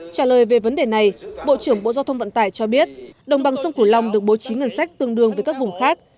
trả lời về vấn đề này bộ trưởng bộ giao thông vận tải cho biết đồng bằng sông cửu long được bố trí ngân sách tương đương với các vùng khác